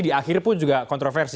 di akhir pun juga kontroversi